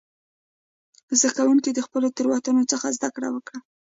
زده کوونکو د خپلو تېروتنو څخه زده کړه وکړه.